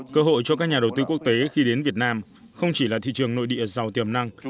cơ hội cho các nhà đầu tư quốc tế khi đến việt nam không chỉ là thị trường nội địa giàu tiềm năng